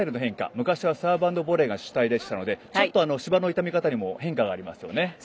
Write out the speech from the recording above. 昔はサーブ＆ボレーが主体でしたのでちょっと芝の傷み方にも変化がありますよね。